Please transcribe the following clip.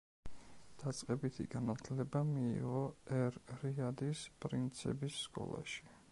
დაწყებითი განათლება მიიღო ერ-რიადის პრინცების სკოლაში.